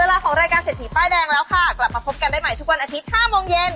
เวลาของรายการเศรษฐีป้ายแดงแล้วค่ะกลับมาพบกันได้ใหม่ทุกวันอาทิตย์๕โมงเย็น